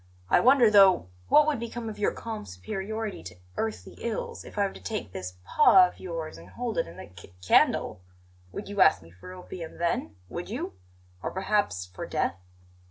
I wonder, though, what would become of your calm superiority to earthly ills if I were to take this paw of yours and hold it in the c candle. Would you ask me for opium then? Would you? Or perhaps for death?